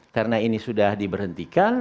karena ini sudah diberhentikan